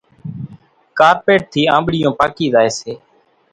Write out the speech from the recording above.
ڪارپيٽ ٿِي آنٻڙِيون پاڪِي زائيَ سي۔